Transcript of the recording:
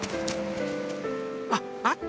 あっあった！